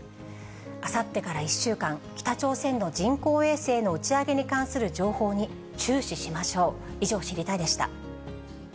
あさってから１週間、北朝鮮の人工衛星の打ち上げに関する情報に注視しましょう。